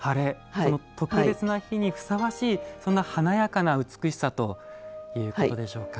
その特別な日にふさわしいそんな華やかな美しさということでしょうか。